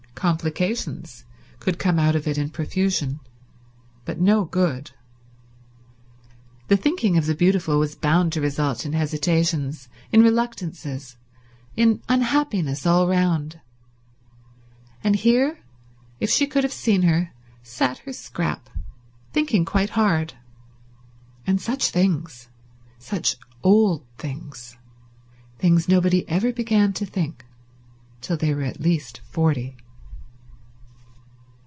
Complications could come out of it in profusion, but no good. The thinking of the beautiful was bound to result in hesitations, in reluctances, in unhappiness all round. And here, if she could have seen her, sat her Scrap thinking quite hard. And such things. Such old things. Things nobody ever began to think till they were at least forty.